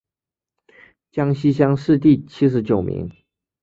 江西乡试第七十九名。